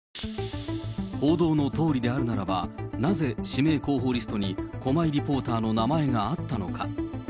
報道のとおりであるならば、なぜ指名候補リストに駒井リポーターの名前があったのか。